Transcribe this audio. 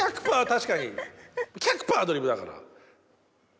確かに１００％アドリブだから。